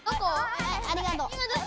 はいありがとう。